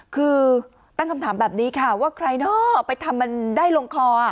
คือตั้งคำถามแบบนี้ค่ะว่าใครเนาะไปทำมันได้ลงคอ